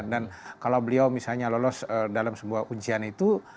dan kalau beliau misalnya lolos dalam sebuah ujian itu